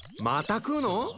また食うの？